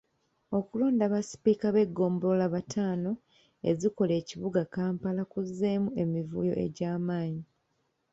Okulonda basipiika b’eggombolola bataano ezikola ekibuga Kampala kuzzeemu emivuyo egy’amaanyi .